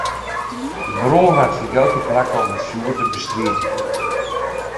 De brânwacht wie gau teplak om it fjoer te bestriden.